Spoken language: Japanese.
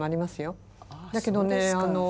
だけどね